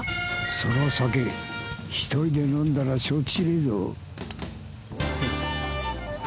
その酒一人で飲んだら承知しねえぞ。